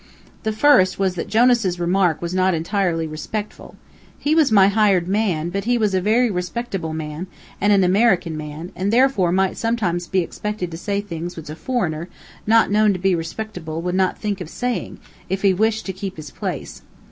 The first was that Jonas's remark was not entirely respectful. He was my hired man, but he was a very respectable man, and an American man, and therefore might sometimes be expected to say things which a foreigner, not known to be respectable, would not think of saying, if he wished to keep his place.